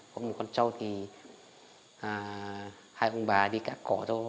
có một con cháu thì hai ông bà đi cá cỏ cho cháu thôi